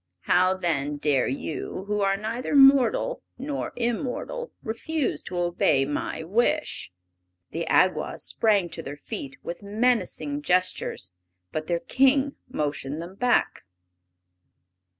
How then dare you, who are neither mortal nor immortal, refuse to obey my wish?" The Awgwas sprang to their feet with menacing gestures, but their King motioned them back.